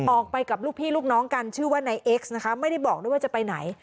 ออกไปกับลูกพี่ลูกน้องกันชื่อว่านายเอ็กซ์นะคะไม่ได้บอกด้วยว่าจะไปไหน